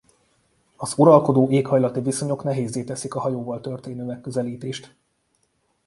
Az uralkodó éghajlati viszonyok nehézzé teszi a hajóval történő megközelítést.